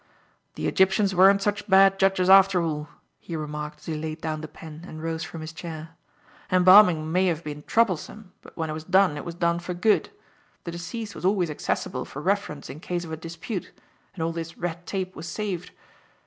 "The Egyptians weren't such bad judges, after all," he remarked as he laid down the pen and rose from his chair. "Embalming may have been troublesome, but when it was done it was done for good. The deceased was always accessible for reference in case of a dispute, and all this red tape was saved.